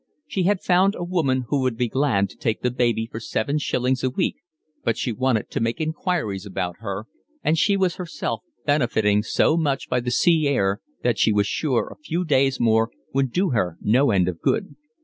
She had found a woman who would be glad to take the baby for seven shillings a week, but she wanted to make inquiries about her, and she was herself benefiting so much by the sea air that she was sure a few days more would do her no end of good.